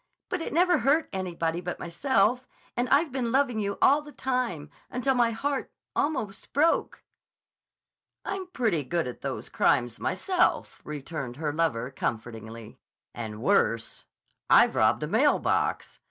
But it never hurt anybody but myself—and I've been loving you all the time—until my heart—almost broke." "I'm pretty good at those crimes myself," returned her lover comfortingly. "And worse. I've robbed a mail box.